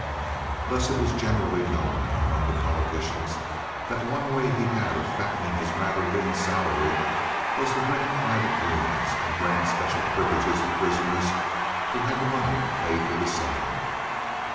Thus it was generally known among the politicians that one way he had of fattening his rather lean salary was to rent private rooms and grant special privileges to prisoners who had the money to pay for the same.